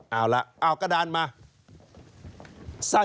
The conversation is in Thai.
เอาล่ะเอากระดานมา